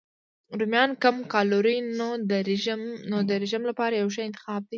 رومیان کم کالوري نو د رژیم لپاره یو ښه انتخاب دی.